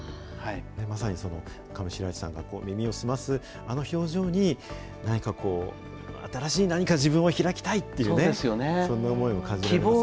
まさに上白石さんが耳を澄ます、あの表情に何か、新しい何か自分を開きたいっていうね、そんな思いも感じられます